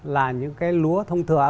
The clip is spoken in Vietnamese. là những cái lúa thông thường